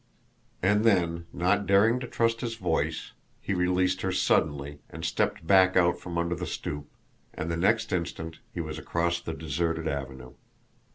And then, not daring to trust his voice, he released her suddenly, and stepped back out from under the stoop and the next instant he was across the deserted avenue.